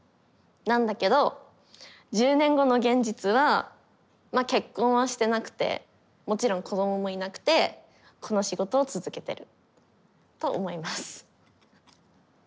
なんだけど１０年後の現実はまあ結婚はしてなくてもちろん子どももいなくてこの仕事を続けてると思います。